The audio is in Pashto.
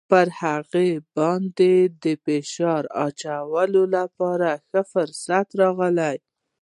پر هغه باندې د فشار اچولو لپاره ښه فرصت راغلی.